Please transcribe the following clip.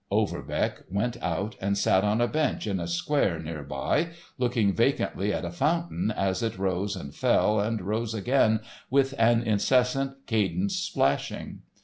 Overbeck went out and sat on a bench in a square near by, looking vacantly at a fountain as it rose and fell and rose again with an incessant cadenced splashing.